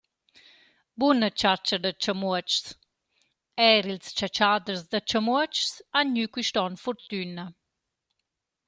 Buna chatscha da chamuotschs Eir ils chatschaders da chamuotschs han gnü quist on furtüna.